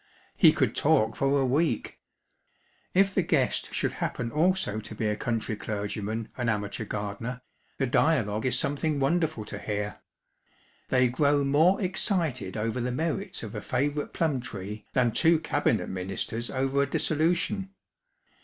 He could talk for a week. If the guest should happen also to be a country clergyman and amateur gardener, the dialogue is something wonderful to hear. They grow more excited over the merits of a favourite plum tree than two Cabinet Ministers over a dissolution.